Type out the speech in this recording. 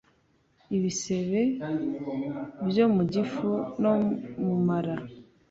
Ibisebe byo mugifu no mumara